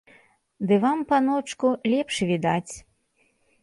Ды вам, паночку, лепш відаць!